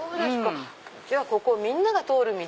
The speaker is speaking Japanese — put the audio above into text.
じゃあここみんなが通る道。